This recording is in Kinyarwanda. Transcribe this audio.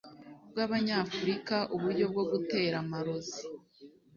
rwabanyafurika uburyo bwo gutera amarozi